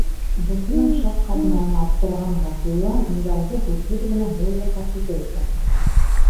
Дуҫының шаҡ ҡатмауына аптыраған Ғабдулла миҙалды һүҙһеҙ генә һул яҡҡа күсереп таҡты.